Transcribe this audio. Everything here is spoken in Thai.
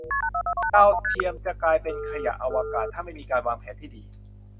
ดาวเทียม จะกลายเป็นขยะอวกาศ ถ้าไม่มีการวางแผนที่ดี